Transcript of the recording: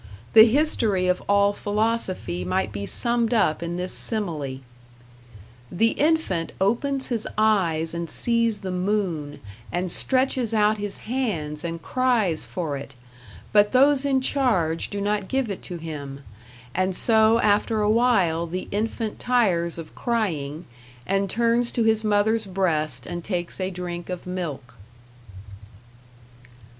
The history of all philosophy might be summed up in this simile: The infant opens his eyes and sees the moon, and stretches out his hands and cries for it; but those in charge do not give it to him, and so after a while the infant tires of crying, and turns to his mother's breast and takes a drink of milk.